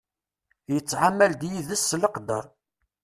Yettɛamal d yid-s s leqder.